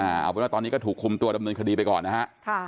เอาเพราะว่าตอนนี้ก็ถูกกดทำเนื่องคดีไปก่อนนะฮะ